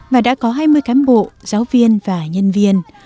mà đã có hai mươi cán bộ giáo viên và nhân viên